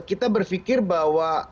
kita berpikir bahwa